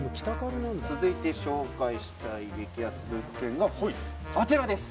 続いて紹介したい激安物件があちらです。